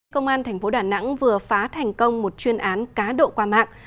công an thành phố đà nẵng vừa phá thành công một chuyên án cá độ qua mạng